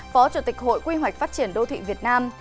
phó chủ tịch hội quy hoạch phát triển đô thị việt nam